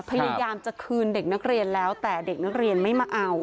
พยายามจะคืนเด็กนักเรียนแล้วแต่เด็กนักเรียนไม่มาเอา